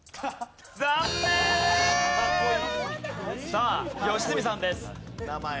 さあ良純さんです。